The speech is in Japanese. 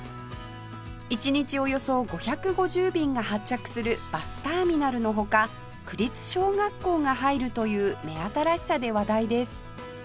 一日およそ５５０便が発着するバスターミナルの他区立小学校が入るという目新しさで話題です